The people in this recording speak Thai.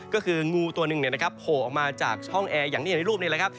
ก็คืองูตัวนึงเนี่ยนะครับโผล่ออกมาจากช่องแอร์อย่างนี้ในรูปนี้เลยครับ